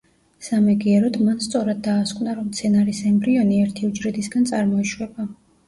სამაგიეროდ, მან სწორად დაასკვნა, რომ მცენარის ემბრიონი ერთი უჯრედისგან წარმოიშვება.